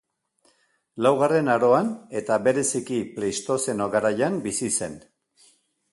Laugarren aroan eta bereziki Pleistozeno garaian bizi zen.